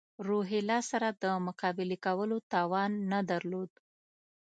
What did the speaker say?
روهیله سره د مقابلې کولو توان نه درلود.